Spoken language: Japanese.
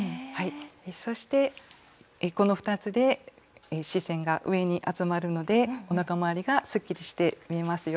そしてこの２つで視線が上に集まるのでおなかまわりがすっきりして見えますよ。